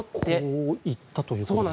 こう行ったということですね。